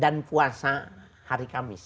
dan puasa hari kamis